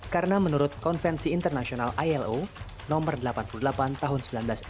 karena menurut konvensi internasional ilo nomor delapan puluh delapan tahun seribu sembilan ratus empat puluh delapan